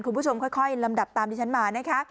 คุณผู้ชมค่อยลำดับตามที่ฉันมานะคะ